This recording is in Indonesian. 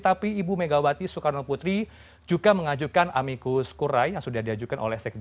tapi ibu megawati soekarno putri juga mengajukan amikus kurai yang sudah diajukan oleh sekjen